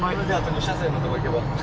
２車線のとこ行けば。